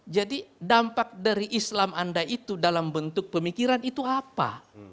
jadi dampak dari islam anda itu dalam bentuk pemikiran itu apa